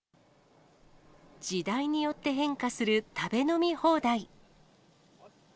時代によって変化する食べ飲み放題。